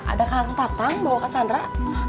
ada kalah tempat tang bawa ke sandra